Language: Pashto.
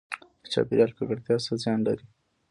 د چاپیریال ککړتیا څه زیان لري؟